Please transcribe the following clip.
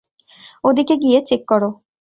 ওদিকে গিয়ে চেক করো।